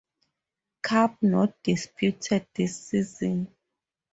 Cup not disputed this season.